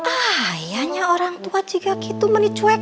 ayahnya orang tua jika gitu menicuek